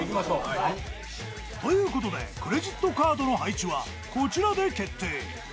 ［ということでクレジットカードの配置はこちらで決定］